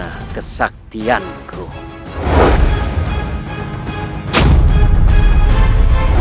aku akan menangkapmu